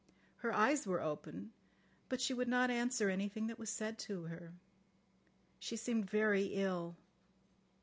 Her eyes were open, but she would not answer anything that was said to her. She seemed very ill.